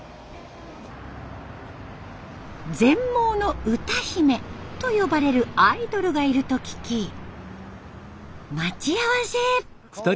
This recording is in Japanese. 全盲の歌姫と呼ばれるアイドルがいると聞き待ち合わせ。